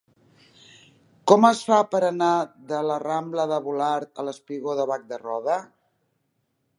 Com es fa per anar de la rambla de Volart al espigó de Bac de Roda?